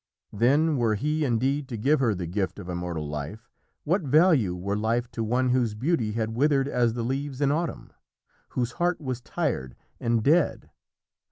Then were he indeed to give her the gift of immortal life, what value were life to one whose beauty had withered as the leaves in autumn, whose heart was tired and dead?